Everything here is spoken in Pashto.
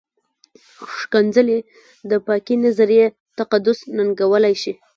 ښکنځلې د پاکې نظریې تقدس ننګولی شي.